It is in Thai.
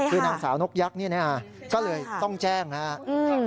คือนางสาวนกยักษ์นี่นะฮะก็เลยต้องแจ้งนะครับ